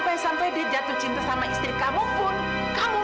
ini baru baru sampai